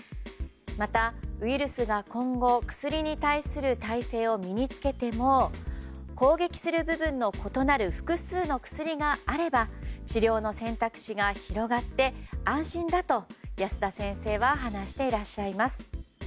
また、ウイルスが今後薬に対する耐性を身に着けても攻撃する部分の異なる複数の薬があれば治療の選択肢が広がって安心だと保田先生は話していらっしゃいます。